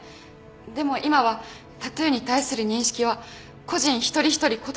でも今はタトゥーに対する認識は個人一人一人異なると思います。